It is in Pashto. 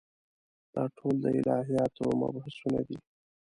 دا ټول د الهیاتو مبحثونه دي.